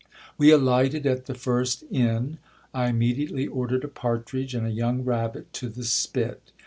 We alighted at the first inn. I immediately ordered a partridge and a young rabbit to the spit.